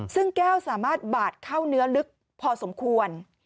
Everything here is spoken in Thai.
ซึ่งแก้วสามารถบาดเข้าเนื้อลึกพอสมควร